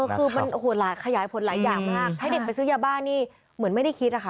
คือมันขยายผลหลายอย่างมากใช้เด็กไปซื้อยาบ้านี่เหมือนไม่ได้คิดอะค่ะ